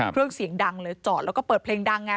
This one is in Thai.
เครื่องเสียงดังเลยจอดแล้วก็เปิดเพลงดังไง